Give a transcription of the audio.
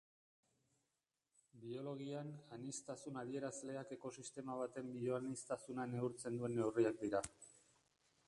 Biologian, aniztasun adierazleak ekosistema baten bioaniztasuna neurtzen duen neurriak dira.